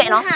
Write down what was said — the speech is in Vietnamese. mày kệ nó